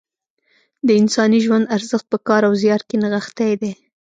د انساني ژوند ارزښت په کار او زیار کې نغښتی دی.